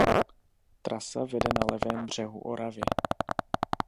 Trasa vede na levém břehu Oravy.